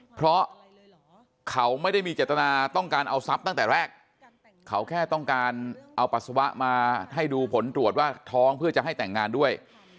เพราะเขาไม่ได้มีเจตนาต้องการเอาทรัพย์ตั้งแต่แรกเขาแค่ต้องการเอาปัสสาวะมาให้ดูผลตรวจว่าท้องเพื่อจะให้แต่งงานด้วย